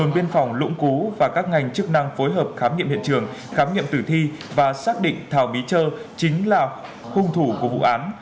cứu và các ngành chức năng phối hợp khám nghiệm hiện trường khám nghiệm tử thi và xác định thảo mí chơ chính là hung thủ của vụ án